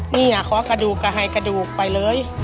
นี่ขอกระดูกก็ให้กระดูกไปเลย